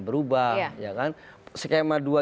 berubah skema dua